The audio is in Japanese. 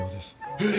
えっ！